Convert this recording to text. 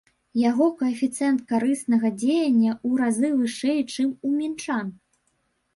Яго каэфіцыент карыснага дзеяння ў разы вышэй, чым у мінчан.